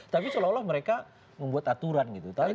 tapi seolah olah mereka membuat aturan gitu